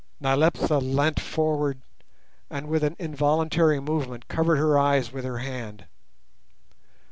Nyleptha leant forward, and with an involuntary movement covered her eyes with her hand.